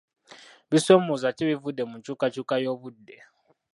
Bisoomooza ki ebivudde mu nkyukakyuka y'obudde?